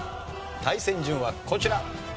対戦順はこちら。